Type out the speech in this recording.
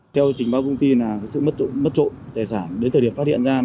theo trình báo công ty là sự mất trộm tài sản đến thời điểm phát hiện ra